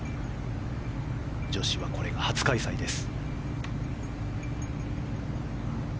女子はこれが初開催です。